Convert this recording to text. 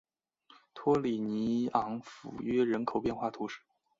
托里尼昂弗约人口变化图示